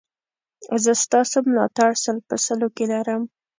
زه ستاسو ملاتړ سل په سلو کې لرم